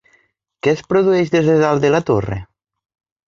Què es produeix des de dalt de la torre?